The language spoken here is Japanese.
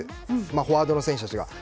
フォワードの選手たちが。